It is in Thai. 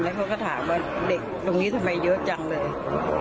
เขาก็ถามว่าเด็กตรงนี้ทำไมเยอะจังเลย